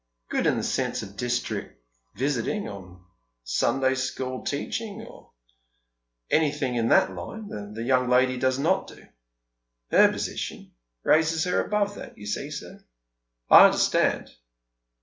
Good, in the sense of districk visiting, or Sunday school teaching, or any thing in that line, the young lady does not do. Her position raises her above that, you see, sir." " I understand.